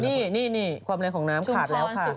นี่นี้ความระยะของน้ำขาดแล้วค่ะ